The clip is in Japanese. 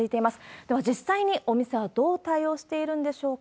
では、実際にお店はどう対応しているんでしょうか。